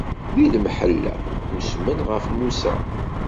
Di lemḥella, usmen ɣef Musa.